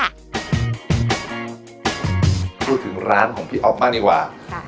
พูดถึงร้านของพี่อ๊อฟมากดีกว่า